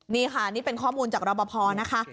นี่ค่ะนี่เป็นข้อมูลจากรอปภนะคะ